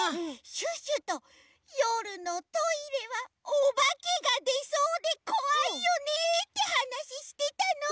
シュッシュとよるのトイレはおばけがでそうでこわいよねってはなししてたの！